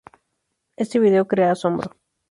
Este vídeo crea asombro.